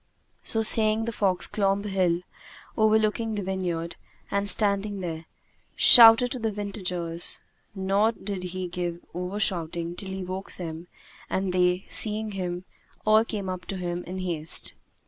So saying the fox clomb a hill overlooking the vineyard and standing there, shouted out to the vintagers; nor did he give over shouting till he woke them and they, seeing him, all came up to him in haste.